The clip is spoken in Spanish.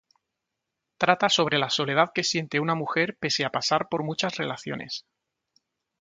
Trata sobre la soledad que siente una mujer pese a pasar por muchas relaciones.